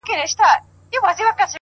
• او که ولاړم تر قیامت پوري مي تله دي,,!